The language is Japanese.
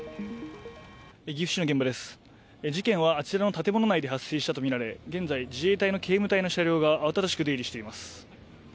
岐阜市の現場です、事件はあちらの建物内で発生したとみられ現在、自衛隊の警務隊の車両が慌ただしく出入りしています。